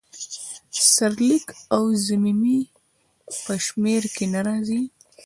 سرلیک او ضمیمې په شمیر کې نه راځي.